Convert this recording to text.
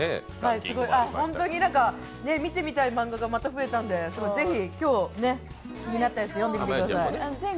見てみたい漫画がまた増えたんで、気になったやつ、読んでみてください。